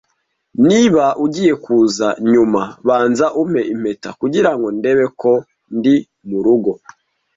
Niba ugiye kuza nyuma, banza umpe impeta, kugirango ndebe ko ndi murugo.